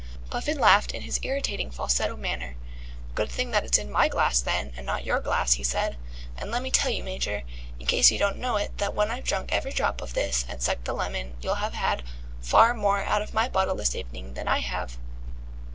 Puffin laughed in his irritating falsetto manner. "Good thing that it's in my glass then, and not your glass," he said. "And lemme tell you, Major, in case you don't know it, that when I've drunk every drop of this and sucked the lemon, you'll have had far more out of my bottle this evening than I have.